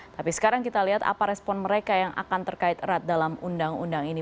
tapi sekarang kita lihat apa respon mereka yang akan terkait erat dalam undang undang ini